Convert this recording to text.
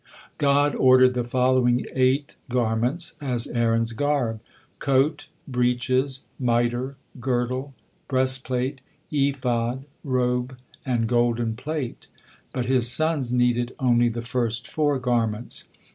God ordered the following eight garments as Aaron's garb: coat, breeches, mitre, girdle, breastplate, ephod, robe, and golden plate; but his sons needed only the first four garments.